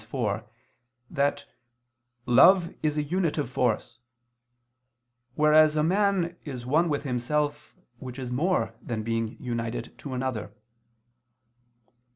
iv) that "love is a unitive force," whereas a man is one with himself which is more than being united to another.